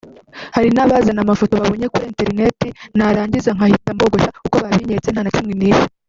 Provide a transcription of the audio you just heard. “Hari n’abazana amafoto babonye kuri interineti narangiza nkahita mbogosha uko babinyeretse nta na kimwe nishe